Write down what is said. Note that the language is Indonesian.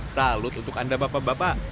salut untuk anda bapak bapak